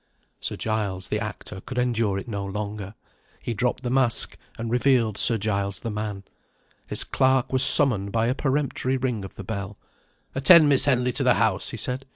Sir Giles, the actor, could endure it no longer; he dropped the mask, and revealed Sir Giles, the man. His clerk was summoned by a peremptory ring of the bell. "Attend Miss Henley to the house," he said.